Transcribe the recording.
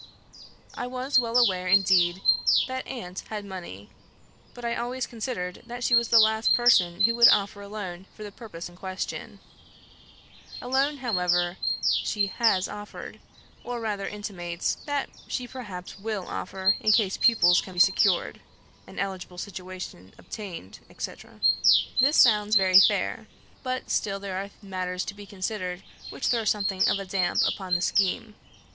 I was well aware, indeed, that aunt had money, but I always considered that she was the last person who would offer a loan for the purpose in question. A loan, however, she has offered, or rather intimates that she perhaps will offer in case pupils can be secured, an eligible situation obtained, &c. This sounds very fair, but still there are matters to be considered which throw something of a damp upon the scheme.